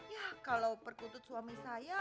ya kalau perkutut suami saya